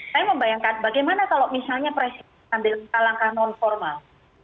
saya membayangkan bagaimana kalau misalnya presiden ambil langkah langkah non formal